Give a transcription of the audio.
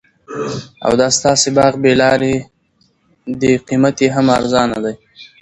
او دا ستاسي باغ بې لاري دي قیمت یې هم ارزانه دي